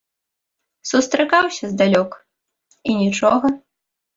Сустракаўся здалёк, і нічога.